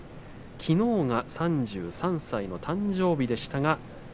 きのうが３３歳の誕生日でした。